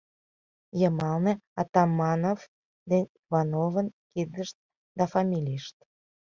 Йымалне — Атаманов ден Ивановын кидышт да фамилийышт».